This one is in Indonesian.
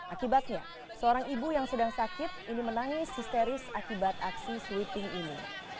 akibatnya seorang ibu yang sedang sakit ini menangis histeris akibat aksi sweeping ini